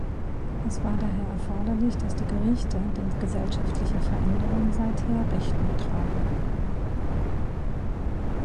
Es war daher erforderlich, dass die Gerichte den gesellschaftlichen Veränderungen seither Rechnung tragen.